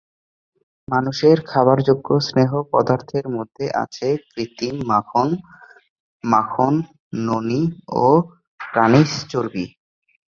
মানুষের খাওয়ার যোগ্য স্নেহ পদার্থের মধ্যে আছে কৃত্রিম মাখন, মাখন, ননী ও প্রাণীজ চর্বি।